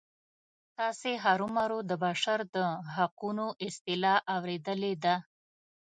تاسې هرومرو د بشر د حقونو اصطلاح اوریدلې ده.